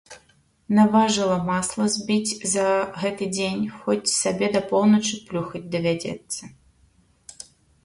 Наважыла масла збіць за гэты дзень, хоць сабе да поўначы плюхаць давядзецца.